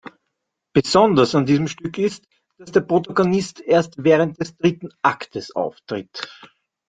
Besonders an diesem Stück ist, dass der Protagonist erst während des dritten Aktes auftritt.